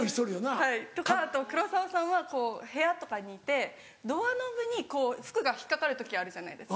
はいあと黒沢さんは部屋とかにいてドアノブに服が引っ掛かる時あるじゃないですか。